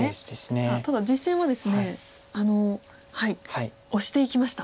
さあただ実戦はですねオシていきました。